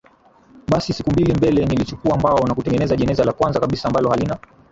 Basi siku mbili mbele nilichukua mbao na kutengeneza jeneza la kwanza kabisa ambalo halina